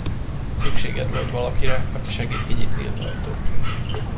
Szükséged volt valakire, aki segít kinyitni az ajtót.